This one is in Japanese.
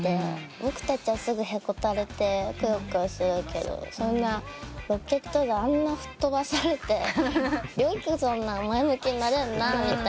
僕たちはすぐへこたれてくよくよするけどロケット団あんな吹っ飛ばされてよくそんな前向きになれるなみたいな。